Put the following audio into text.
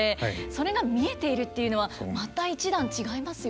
それが見えているっていうのはまた一段違いますよね。